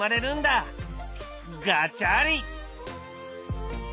ガチャリ！